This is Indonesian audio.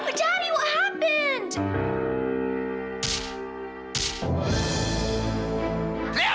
nanti apa yang terjadi